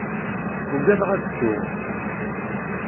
Ugadeɣ ad ttuɣ.